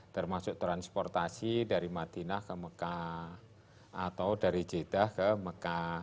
termasuk transportasi dari madinah ke mekah atau dari jeddah ke mekah